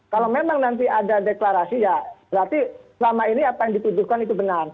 kalau memang nanti ada deklarasi ya berarti selama ini apa yang dituduhkan itu benar